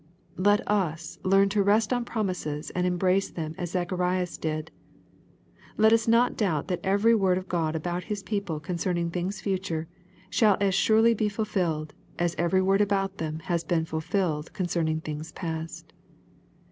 Let us learn to rest on promises and embrace them as Zacharias did Let us not doubt that every word of God about His people concerning things future, shall as surely be fulfilled as every word about them has been fulfilled concerning things past.